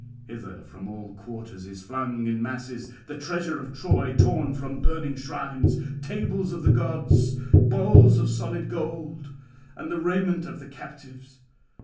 Hither from all quarters is flung in masses the treasure of Troy torn from burning shrines, [765 798]tables of the gods, bowls of solid gold, and raiment of the captives.